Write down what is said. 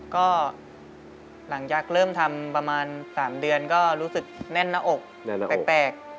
ก็หลังจากเริ่มทำประมาณ๓เดือนก็รู้สึกแน่นหน้าอกแปลก